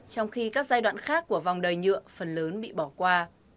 trong khi các giai đoạn khác của vòng đời nhựa phần lớn bị bỏ qua